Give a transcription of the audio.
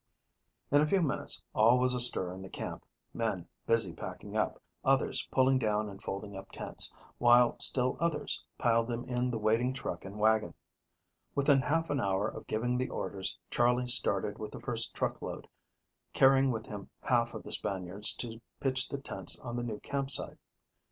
In a few minutes all was astir in the camp, men busy packing up, others pulling down and folding up tents, while still others piled them in the waiting truck and wagon. Within half an hour of giving the orders, Charley started with the first truckload, carrying with him half of the Spaniards to pitch the tents on the new camp site.